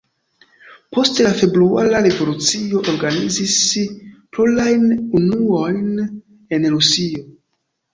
Post la februara revolucio organizis polajn unuojn en Rusio.